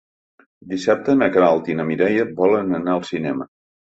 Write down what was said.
Dissabte na Queralt i na Mireia volen anar al cinema.